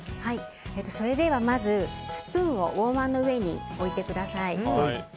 それでは、まずスプーンをウォーマーの上に置いてください。